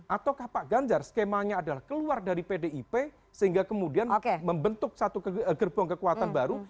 ataukah pak ganjar skemanya adalah keluar dari pdip sehingga kemudian membentuk satu gerbong kekuatan baru